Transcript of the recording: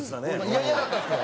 嫌々だったんですけど。